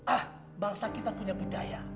ah bangsa kita punya budaya